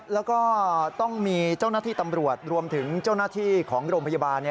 แล้วก็ต้องมีเจ้าหน้าที่ตำรวจรวมถึงเจ้าหน้าที่ของโรงพยาบาล